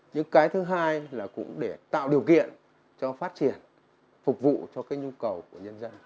nhưng cái thứ hai là cũng để tạo điều kiện cho phát triển phục vụ cho cái nhu cầu của nhân dân